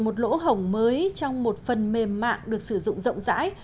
một lỗ hổng mới trong một phần mềm mạng được sử dụng rộng rãi